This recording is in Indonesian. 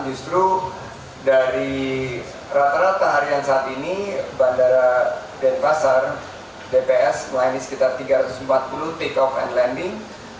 justru dari rata rata harian saat ini bandara denpasar dps melayani sekitar tiga ratus empat puluh take off and landing